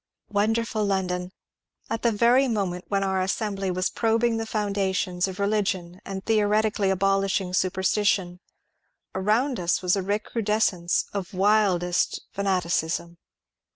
Wonderful London ! At the very moment when our assem bly was probing the foundations of religion and theoretically abolishing superstition, around us v^as a recrudescence of wild 392 MONCURE DANIEL CONWAT est fanaticism.